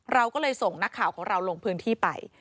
เราก็เลยส่งนักข่าวของเราลงพื้นที่ไป